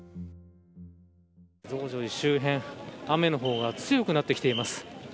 増上寺周辺、雨の方が強くなってきています。